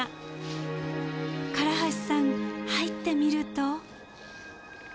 唐橋さん入ってみると。